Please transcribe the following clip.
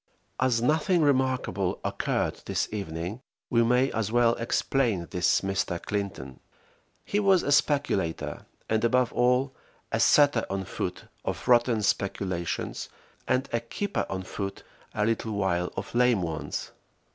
As nothing remarkable occurred this evening, we may as well explain this Mr. Clinton. He was a speculator, and above all a setter on foot of rotten speculations, and a keeper on foot a little while of lame ones.